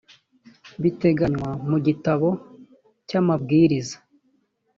biteganywa mu gitabo cy amabwiriza